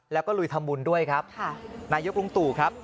แล้วก็ลุยทำบุญด้วยครับนายกลุงตู่ครับ